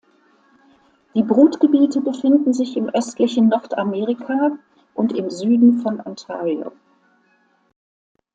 Die Brutgebiete befinden sich im östlichen Nordamerika und im Süden von Ontario.